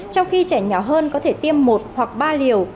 trong khi trẻ nhỏ hơn có thể tiêm một hoặc ba liều